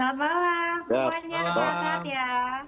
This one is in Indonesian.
selamat malam semuanya sehat ya